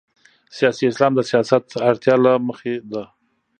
سیاسي اسلام د سیاست اړتیا له مخې ده.